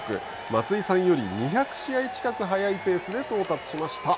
松井さんより２００試合近く早いペースで到達しました。